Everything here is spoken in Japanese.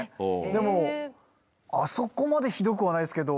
でもあそこまでひどくはないですけど。